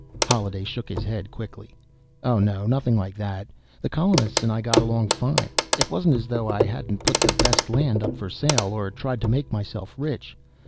Holliday shook his head quickly. "Oh, no nothing like that. The colonists and I got along fine. It wasn't as though I hadn't put the best land up for sale, or tried to make myself rich.